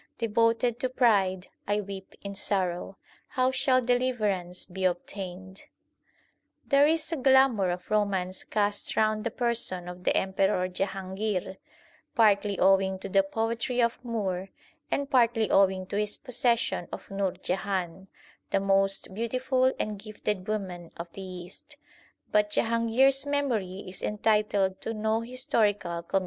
Devoted to pride, I weep in sorrow ; How shall deliverance be obtained ? 2 There is a glamour of romance cast round the person of the Emperor Jahangir, partly owing to the poetry of Moore and partly owing to his possession of Nur Jahan, the most beautiful and gifted woman of the East ; but Jahangir s memory is entitled to no historical commiseration.